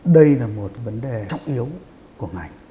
đây là một vấn đề trọng yếu của ngành